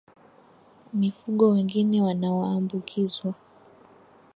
Mifugo wengine wanaoambukizwa